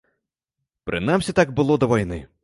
Прынамсі так было да вайны.